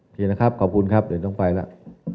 ทีนะครับขอบคุณครับเดี๋ยวต้องไปแล้ว